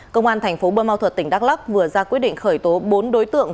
công an thành phố bơ ma thuật tỉnh đắk lắc vừa ra quyết định khởi tố bốn đối tượng